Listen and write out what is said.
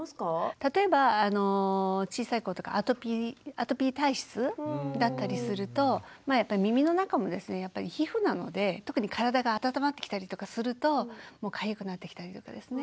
例えば小さい子とかアトピー体質だったりすると耳の中もですねやっぱり皮膚なので特に体が温まってきたりとかするとかゆくなってきたりとかですね。